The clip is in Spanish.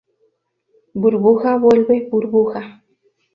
¡ burbuja, vuelve! ¡ burbuja!